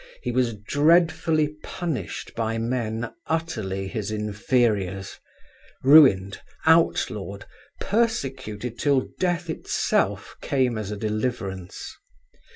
He was dreadfully punished by men utterly his inferiors: ruined, outlawed, persecuted till Death itself came as a deliverance.